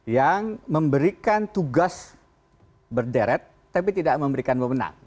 yang memberikan tugas berderet tapi tidak memberikan pemenang